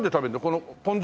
このポン酢？